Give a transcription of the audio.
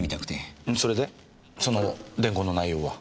それでその伝言の内容は？